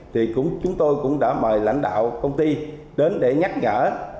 thì chúng tôi cũng đã mời lãnh đạo công ty đến để nhắc nhở